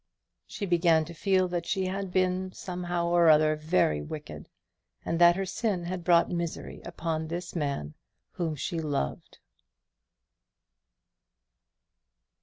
She began to feel that she had been, somehow or other, very wicked, and that her sin had brought misery upon this man whom she loved.